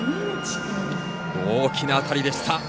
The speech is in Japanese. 大きな当たりでした。